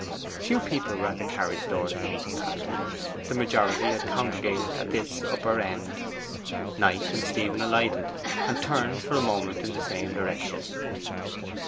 Few people were at the carriage doors to meet the passengers the majority had congregated at this upper end. Knight and Stephen alighted, and turned for a moment in the same direction.